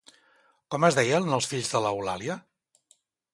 Com es deien els fills de l'Eulàlia?